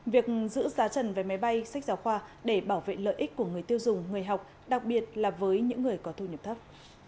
việc giữ giá trần vé máy bay sách giáo khoa để bảo vệ lợi ích của người tiêu dùng người học đặc biệt là với những người có thu nhập thấp